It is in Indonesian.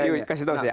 coba kasih tau saya